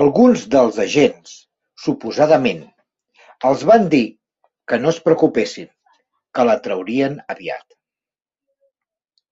Alguns dels agents, suposadament, els van dir que no es preocupessin, que la traurien aviat.